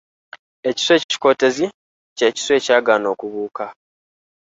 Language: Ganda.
Ekiswa ekikootezi ky’ekiswa ekyagaana okubuuka.